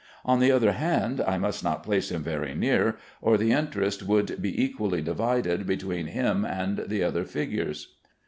On the other hand, I must not place him very near, or the interest would be equally divided between him and the other figures.